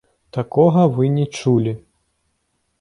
Такога вы не чулі.